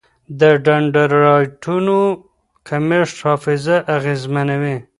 د ډنډرایټونو کمښت حافظه اغېزمنوي.